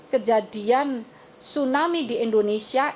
kejadian tsunami di indonesia